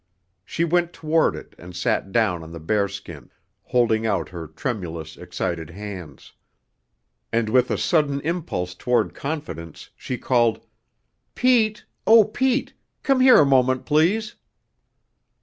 She went toward it and sat down on the bear skin, holding out her tremulous, excited hands. And with a sudden impulse toward confidence she called: "Pete, O Pete! Come here a moment, please."